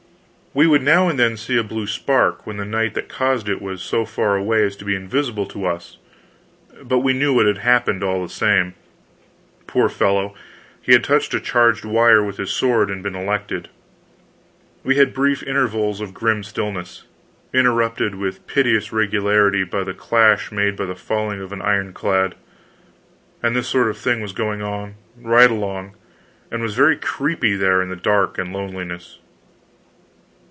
We would now and then see a blue spark when the knight that caused it was so far away as to be invisible to us; but we knew what had happened, all the same; poor fellow, he had touched a charged wire with his sword and been electrocuted. We had brief intervals of grim stillness, interrupted with piteous regularity by the clash made by the falling of an iron clad; and this sort of thing was going on, right along, and was very creepy there in the dark and lonesomeness.